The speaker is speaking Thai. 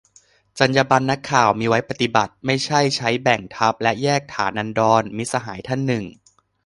"จรรยาบรรณนักข่าวมีไว้ปฏิบัติ ไม่ใช่ใช้เบ่งทับและแยกฐานันดร" - มิตรสหายท่านหนึ่ง